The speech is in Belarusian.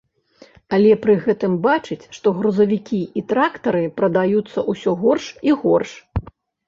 Але пры гэтым бачыць, што грузавікі і трактары прадаюцца ўсё горш і горш.